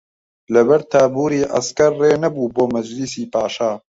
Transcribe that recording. لە بەر تابووری عەسکەر ڕێ نەبوو بۆ مەجلیسی پاشا